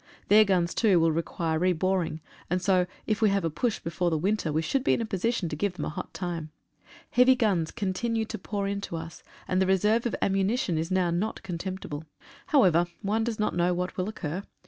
Their guns, too, will require re boring, and so if we have a push before the winter we should be in a position to give them a hot time. Heavy guns continue to pour in to us, and the reserve of ammunition is now not contemptible. How ever, one does not know what will occur.